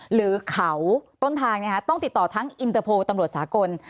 หรือเขาต้นทางต้องติดต่อทั้งอินเตอร์โพลตำรวจสากล